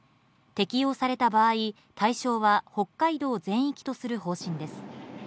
適用された場合、対象は北海道全域とする方針です。